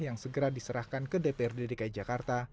yang segera diserahkan ke dprd dki jakarta